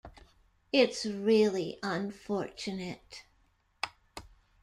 It's really unfortunate.